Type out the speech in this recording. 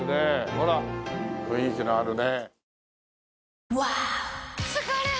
ほら雰囲気のあるね。